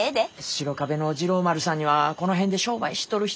白壁の治郎丸さんにはこの辺で商売しとる人